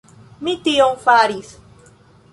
Mi tion faris!